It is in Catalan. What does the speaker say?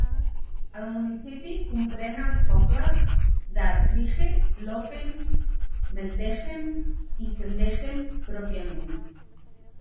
El municipi comprèn els pobles d'Aartrijke, Loppem, Veldegem i Zedelgem pròpiament.